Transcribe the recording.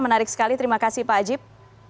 menarik sekali terima kasih pak ajib